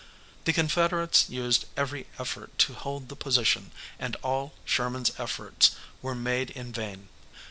The Confederates used every effort to hold the position and all Sherman's efforts were made in vain.